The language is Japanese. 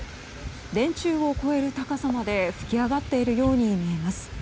電柱を越える高さまで噴き上がっているように見えます。